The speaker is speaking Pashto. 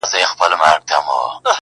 خو خبري نه ختمېږي هېڅکله تل,